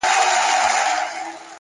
هره پرېکړه د راتلونکي لوری ټاکي.!